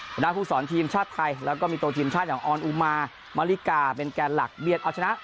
หัวหน้าผู้สอนทีมชาติไทยแล้วก็มีตัวทีมชาติอย่างออนอุมามาริกาเป็นแกนหลักเบียดเอาชนะ